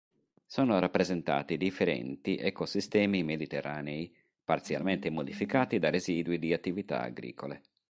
Sono rappresentati differenti ecosistemi mediterranei, parzialmente modificati da residui di attività agricole.